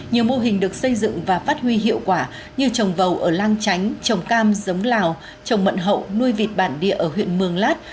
nhiều mô hình được xây dựng và phát huy hiệu quả như trồng vầu ở lang chánh trồng cam giống lào trồng mận hậu nuôi vịt bản địa ở huyện mường lát